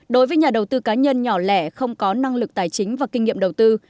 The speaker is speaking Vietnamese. đối với nhà đầu tư cá nhân nhỏ lẻ không có năng lực tài chính và kinh nghiệm đầu tư